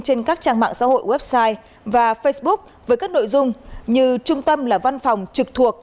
trên các trang mạng xã hội website và facebook với các nội dung như trung tâm là văn phòng trực thuộc